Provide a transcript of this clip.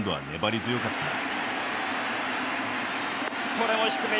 これも低め。